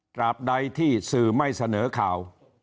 บใดที่สื่อไม่เสนอข่าว